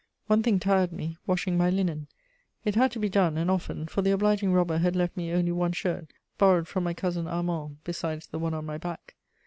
One thing tired me: washing my linen; it had to be done, and often, for the obliging robber had left me only one shirt, borrowed from my cousin Armand, besides the one on my back.